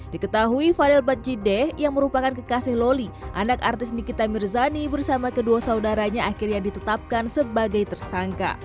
diketahui fadel badjideh yang merupakan kekasih loli anak artis nikita mirzani bersama kedua saudaranya akhirnya ditetapkan sebagai tersangka